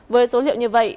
với số liệu như vậy